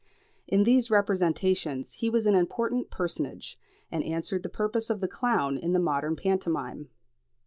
In these representations he was an important personage, and answered the purpose of the clown in the modern pantomime.